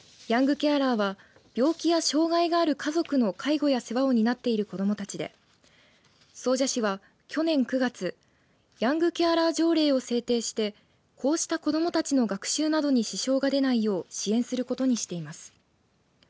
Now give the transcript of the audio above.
ヤングケアラーは病気や障害がある家族の介護や世話を担っている子どもたちで総社市は去年９月ヤングケアラー条例を制定してこうした子どもたちの学習などに支障が出ないよう支援することにしています。